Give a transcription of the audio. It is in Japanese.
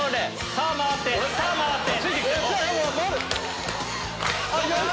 さぁ回ってさぁ回って！